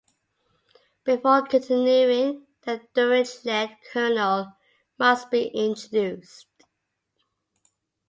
Before continuing, the Dirichlet kernel must be introduced.